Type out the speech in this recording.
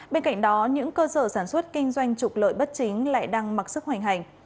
bên cạnh đó những cơ sở sản xuất kinh doanh trục lợi bất chính lại đang mặc sức hoành hành